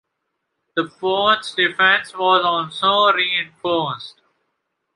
The fort's defense was also reinforced.